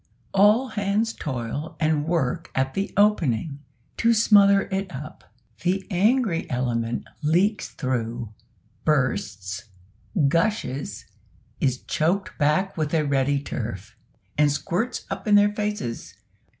All hands toil and work at the opening, to smother it up. The angry element leaks through, bursts, gushes is choked back with a ready turf; and squirts up in their faces.